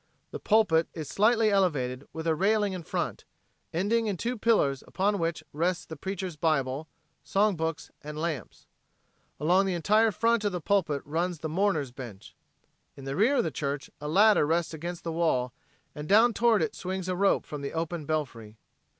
The pulpit is slightly elevated with a railing in front, ending in two pillars upon which rest the preacher's Bible, song books and lamps. Along the entire front of the pulpit runs the mourners' bench. In the rear of the church a ladder rests against the wall and down toward it swings a rope from the open belfry.